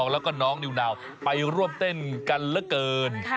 แล้วก็น้องนิวนาวไปร่วมเต้นกันเหลือเกิน